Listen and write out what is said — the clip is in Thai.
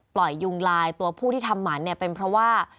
ปล่อยยุงลายตัวผู้ที่ทำหมันเป็นเพราะว่า